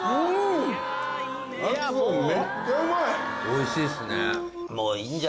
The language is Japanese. おいしいですね。